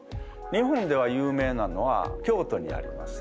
日本では有名なのは京都にあります